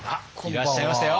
いらっしゃいましたよ。